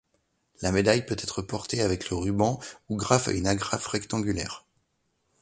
La médaille peut être portée avec le ruban ou grâce à une agrafe rectangulaire.